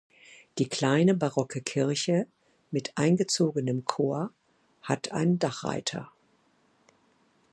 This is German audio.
Die kleine barocke Kirche mit eingezogenem Chor hat einen Dachreiter.